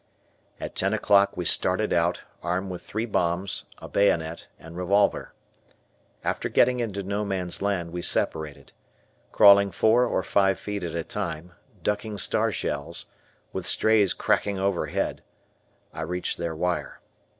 At ten o'clock we started out, armed with three bombs, a bayonet, and revolver. After getting into No Man's Land we separated. Crawling four or five feet at a time, ducking star shells, with strays cracking over head, I reached their wire.